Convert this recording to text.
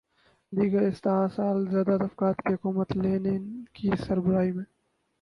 دیگر استحصال زدہ طبقات کی حکومت لینن کی سربراہی میں